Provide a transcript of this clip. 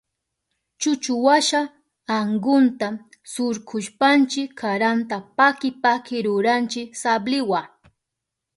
Chuchuwasha ankunta surkushpanchi karanta paki paki ruranchi sabliwa.